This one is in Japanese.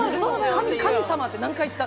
神様って何回言った？